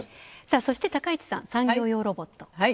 そして、高市さん「産業用ロボット」。